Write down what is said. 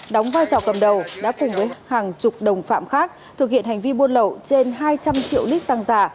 đóng vai trò cầm đầu đã cùng với hàng chục đồng phạm khác thực hiện hành vi buôn lậu trên hai trăm linh triệu lít xăng giả